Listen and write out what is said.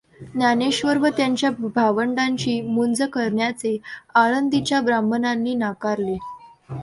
ज्ञानेश्वर व त्यांच्या भावंडांची मुंज करण्याचे आळंदीच्या ब्राह्मणांनी नाकारले.